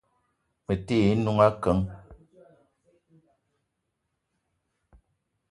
Me te ye n'noung akeng.